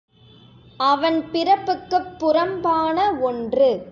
அவன் பிறப்புக்குப் புறம் பான ஒன்று.